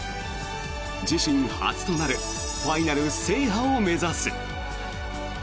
自身初となるファイナル制覇を目指す。